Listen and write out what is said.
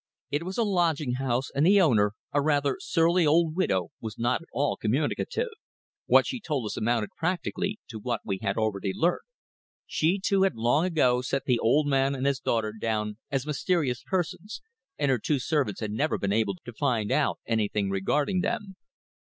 It was a lodging house and the owner, a rather surly old widow, was not at all communicative. What she told us amounted practically to what we had already learnt. She, too, had long ago set the old man and his daughter down as mysterious persons, and her two servants had never been able to find out anything regarding them.